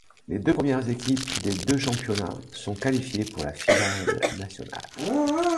Les deux premières équipes des deux championnats sont qualifiées pour la finale nationale.